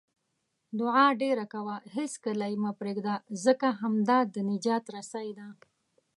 دعاء ډېره کوه، هیڅکله یې مه پرېږده، ځکه همدا د نجات رسۍ ده